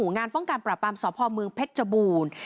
งานฟังการปราบามสภเมืองเพชรจบูล